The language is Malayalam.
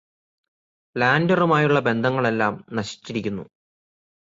ലാന്ഡറുമായുള്ള ബന്ധങ്ങളെല്ലാം നശിച്ചിരിക്കുന്നു